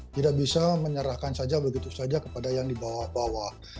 tidak bisa menyerahkan saja begitu saja kepada yang di bawah bawah